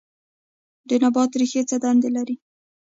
د نبات ریښې څه دنده لري